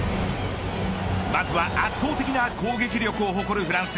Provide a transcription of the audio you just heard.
まずは圧倒的な攻撃力を誇るフランス。